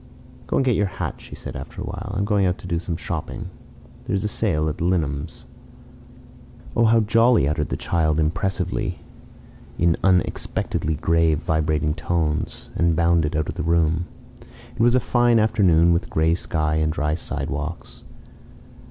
"Go and get your hat," she said after a while. "I am going out to do some shopping. There is a sale at Linom's." "Oh, how jolly!" uttered the child, impressively, in unexpectedly grave vibrating tones, and bounded out of the room. It was a fine afternoon, with a gray sky and dry sidewalks.